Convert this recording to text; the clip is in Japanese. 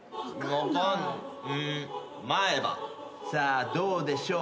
さあどうでしょう。